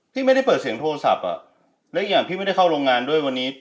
พี่ไม่ได้เปิดเสียงโทรศัพท์อ่ะแล้วอีกอย่างพี่ไม่ได้เข้าโรงงานด้วยวันนี้